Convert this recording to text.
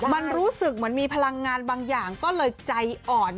มันรู้สึกเหมือนมีพลังงานบางอย่างก็เลยใจอ่อน